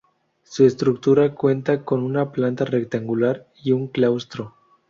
Su estructura cuenta con una planta rectangular y un claustro.